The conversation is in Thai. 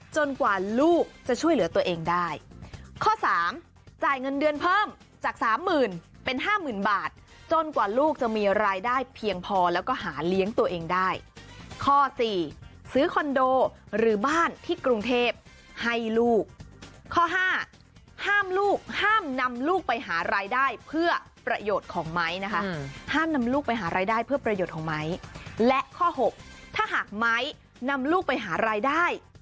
กว่าลูกจะช่วยเหลือตัวเองได้ข้อสามจ่ายเงินเดือนเพิ่มจากสามหมื่นเป็นห้าหมื่นบาทจนกว่าลูกจะมีรายได้เพียงพอแล้วก็หาเลี้ยงตัวเองได้ข้อสี่ซื้อคอนโดหรือบ้านที่กรุงเทพให้ลูกข้อห้าห้ามลูกห้ามนำลูกไปหารายได้เพื่อประโยชน์ของไม้นะคะห้ามนำลูกไปหารายได้เพื่อประโยชน์ของไม้และข้อหกถ้าหากไม้นำลูกไปหารายได้